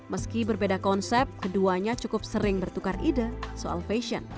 meski berbeda konsep keduanya cukup sering bertukar ide soal fashion